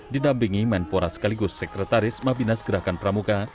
didampingi menpora sekaligus sekretaris mabinas gerakan pramuka